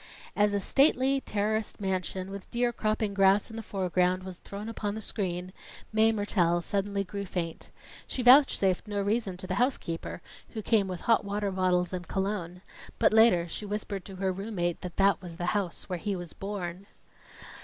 As a stately, terraced mansion, with deer cropping grass in the foreground, was thrown upon the screen, Mae Mertelle suddenly grew faint. She vouchsafed no reason to the housekeeper who came with hot water bottles and cologne; but later, she whispered to her room mate that that was the house where he was born.